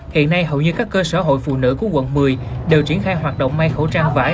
hiện nay hầu như các cơ sở hội phụ nữ của quận một mươi đều triển khai hoạt động may khẩu trang vải